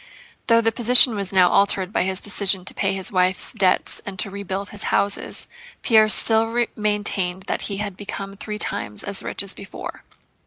Though the position was now altered by his decision to pay his wife's debts and to rebuild his houses, Pierre still maintained that he had become three times as rich as before.